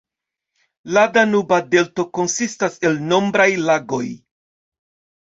La Danuba Delto konsistas el nombraj lagoj.